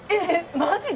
マジで！？